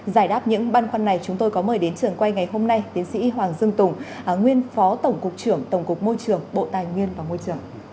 giải đáp những băn khoăn này chúng tôi có mời đến trường quay ngày hôm nay tiến sĩ hoàng dương tùng nguyên phó tổng cục trưởng tổng cục môi trường bộ tài nguyên và môi trường